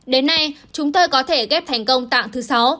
đến nay chúng tôi có thể ghép thành công tạng thứ sáu